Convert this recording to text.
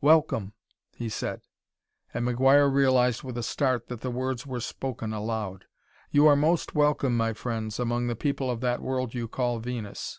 "Welcome!" he said, and McGuire realized with a start that the words were spoken aloud. "You are most welcome, my friends, among the people of that world you call Venus."